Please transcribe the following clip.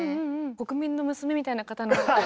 国民の娘みたいな方なので。